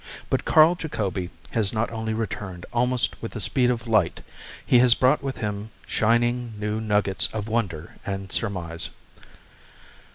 But Carl Jacobi has not only returned almost with the speed of light he has brought with him shining new nuggets of wonder and surmise.